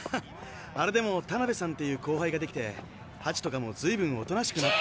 あれでもタナベさんという後輩ができてハチとかもずいぶんおとなしく。